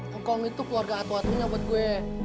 singkong itu keluarga atuh atuhnya buat gue